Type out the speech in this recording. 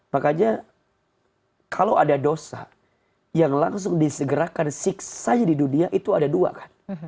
makanya kalau ada dosa yang langsung disegerakan siksanya di dunia itu ada dua kan